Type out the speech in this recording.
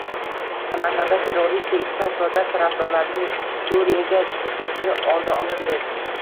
Samarqandda terroristik tashkilotlar tarafdorlarining Suriyaga chiqib ketishi oldi olinding